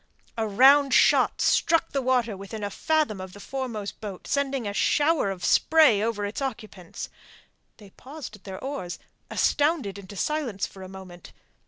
A round shot struck the water within a fathom of the foremost boat, sending a shower of spray over its occupants. They paused at their oars, astounded into silence for a moment.